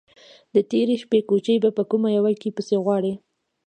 _د تېرې شپې کوچی به په کومه يوه کې پسې غواړې؟